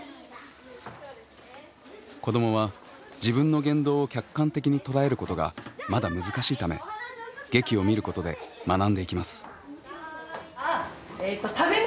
子どもは自分の言動を客観的に捉えることがまだ難しいため劇を見ることで学んでいきます。